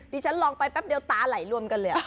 ดิฉันลองไปแป๊บเดียวตาไหลรวมกันเลย